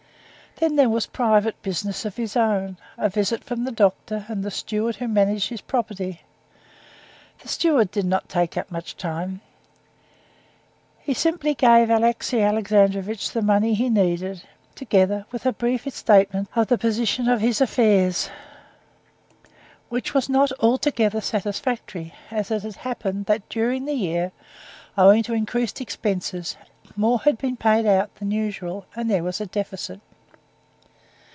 Then there was private business of his own, a visit from the doctor and the steward who managed his property. The steward did not take up much time. He simply gave Alexey Alexandrovitch the money he needed together with a brief statement of the position of his affairs, which was not altogether satisfactory, as it had happened that during that year, owing to increased expenses, more had been paid out than usual, and there was a deficit.